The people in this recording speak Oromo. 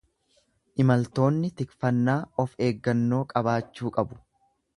Imaltoonni tikfannaa of eeggannoo qabaachuu qabu.